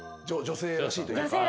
女性らしいですね。